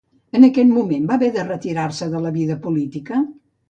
En aquell moment va haver de retirar-se de la vida política?